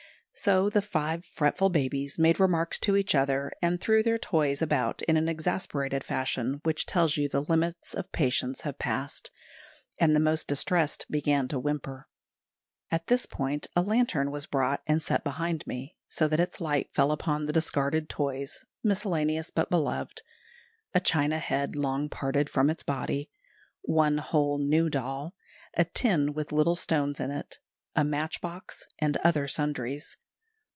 So the five fretful babies made remarks to each other, and threw their toys about in that exasperated fashion which tells you the limits of patience have been passed; and the most distressed began to whimper. At this point a lantern was brought and set behind me, so that its light fell upon the discarded toys, miscellaneous but beloved a china head long parted from its body, one whole new doll, a tin with little stones in it, a matchbox, and other sundries.